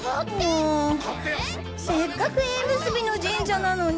もうせっかく縁結びの神社なのに！